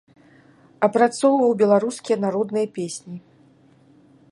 Апрацоўваў беларускія народныя песні.